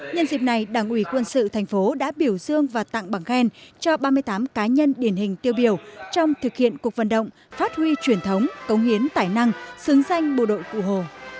nhân dịp này đảng ủy quân sự thành phố đã biểu dương và tặng bằng khen cho ba mươi tám cá nhân điển hình tiêu biểu trong thực hiện cuộc vận động phát huy truyền thống cống hiến tài năng xứng danh bộ đội cụ hồ